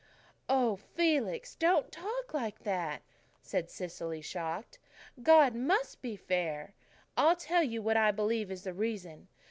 "Oh, Felix, don't talk like that," said Cecily, shocked. "God MUST be fair. I'll tell you what I believe is the reason.